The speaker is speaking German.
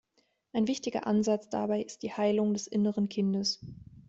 Ein wichtiger Ansatz dabei ist die Heilung des „inneren Kindes“.